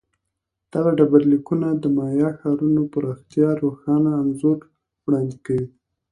دغه ډبرلیکونه د مایا ښارونو پراختیا روښانه انځور وړاندې کوي